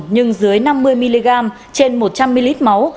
nhưng dưới năm mươi mg trên một trăm linh ml máu